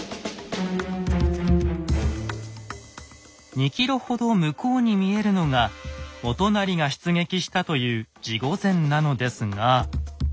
２ｋｍほど向こうに見えるのが元就が出撃したという地御前なのですが。